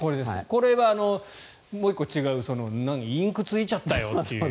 これはもう１個違うインクついちゃったよという。